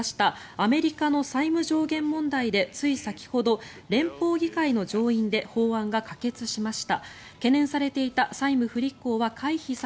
アメリカの債務上限問題でつい先ほど連邦議会の上院で法案が可決しました。